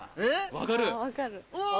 分かる！